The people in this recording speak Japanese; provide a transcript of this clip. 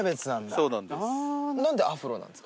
そうなんです。